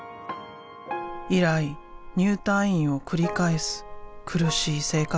以来入退院を繰り返す苦しい生活が続いた。